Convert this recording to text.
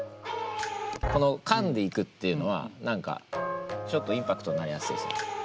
この「カンッ」でいくっていうのは何かちょっとインパクトになりやすいですね。